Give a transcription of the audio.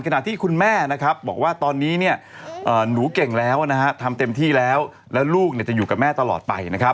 ขนาดที่ของคุณแม่บอกว่าตอนนี้หนูเก่งแล้วทำเต็มที่แล้วแล้วลูกจะอยู่กับแม่ตลอดไป